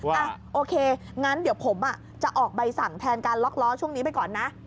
อ่ะโอเคงั้นเดี๋ยวผมจะออกใบสั่งแทนการล็อกล้อช่วงนี้ไปก่อนนะ